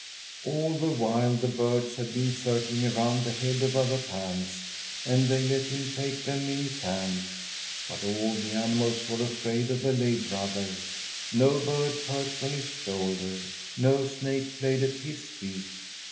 All the while the birds had been circling around the head of Abbot Hans, and they let him take them in his hands. But all the animals were afraid of the lay brother; no bird perched on his shoulder, no snake played at his feet.